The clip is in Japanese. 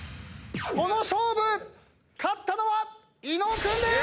この勝負勝ったのは伊野尾君でーす！